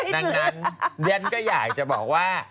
ดังนั้นเรียนก็อยากจะบอกว่า